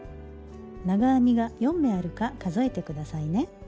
長編みが４目あるか数えて下さいね。